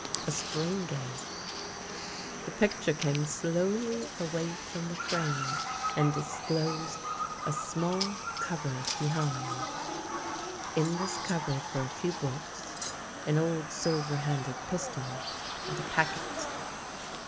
A spring gave, the picture came slowly away from the frame and disclosed a small cupboard behind. In this cupboard were a few books, an old silver handled pistol, and a packet.